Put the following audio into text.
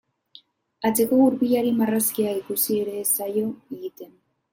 Atzeko gurpilari marrazkia ikusi ere ez zaio egiten.